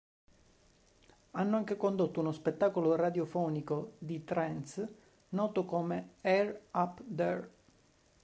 Hanno anche condotto uno spettacolo radiofonico di trance noto come "Air Up There".